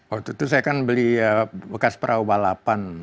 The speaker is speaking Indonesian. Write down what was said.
waktu itu saya kan beli bekas perahu balapan